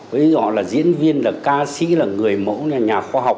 với họ là diễn viên là ca sĩ là người mẫu là nhà khoa học